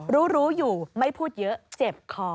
รู้รู้อยู่ไม่พูดเยอะเจ็บคอ